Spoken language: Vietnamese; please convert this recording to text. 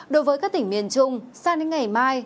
đối với các tỉnh miền trung sang đến ngày mai